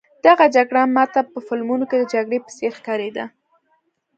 دغه جګړه ما ته په فلمونو کې د جګړې په څېر ښکارېده.